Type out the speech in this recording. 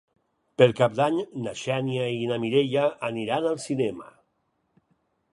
Per Cap d'Any na Xènia i na Mireia aniran al cinema.